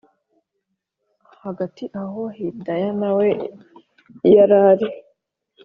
hagati aho hidaya nawe yarari